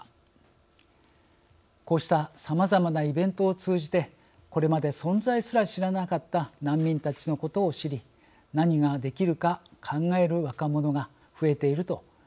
こうしたさまざまなイベントを通じてこれまで存在すら知らなかった難民たちのことを知り何ができるか考える若者が増えているということです。